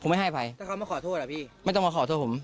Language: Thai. ไม่ให้อภัยถ้าเขามาขอโทษอ่ะพี่ไม่ต้องมาขอโทษผม